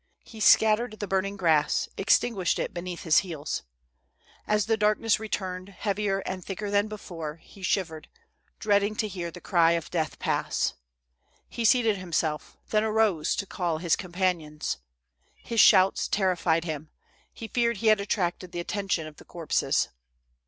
He scattered the burning grass, extinguished it beneath his heels. As THE soldiers' DREAMS. 281 t1ie darkness returned, heavier and thicker than before, lie shivered, dreading to hear the cry of death pass. He seated himself, then arose to call his companions. Ilis shouts terrified him; he feared he had attracted the attention of the corpses.